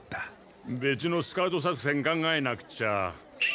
べつのスカウト作戦考えなくちゃ。